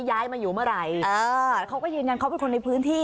ย้ายมาอยู่เมื่อไหร่เออเขาก็ยืนยันเขาเป็นคนในพื้นที่